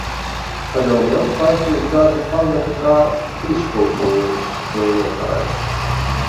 Padomju okupācijas gadu pavada kā fizkultūras skolotājs.